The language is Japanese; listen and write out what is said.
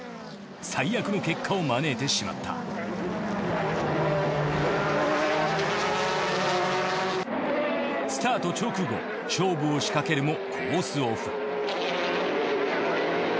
最悪の結果を招いてしまったスタート直後勝負を仕掛けるもコースオフ